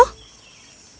aku punya makanan untukmu